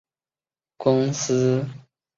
斯特恩公司的店铺被列为历史古迹。